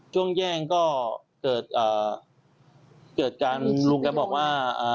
ช่วงแย่งก็เกิดการลุงแกบอกว่า